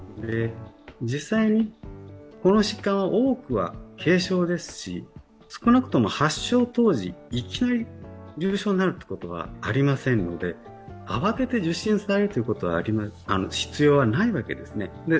実際に、この疾患の多くは軽症ですし、少なくとも発症当時、いきなり重症になるということはありませんので、慌てて受診する必要はないわけですね。